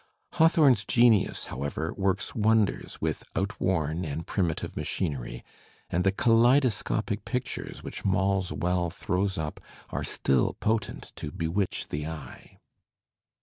Hawthome*s genius, however, works wonders with outworn and primitive machin ery, and the kaleidoscopic pictures which Maule's Well throws up are still potent to bewitch the eye.